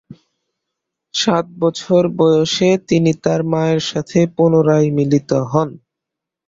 সাত বছর বয়সে তিনি তার মায়ের সাথে পুনরায় মিলিত হন।